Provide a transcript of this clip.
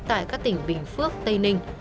tại các tỉnh bình phước tây ninh